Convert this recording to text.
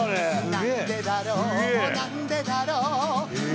「なんでだなんでだろう」